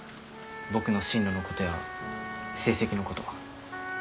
僕の進路のことや成績のこと。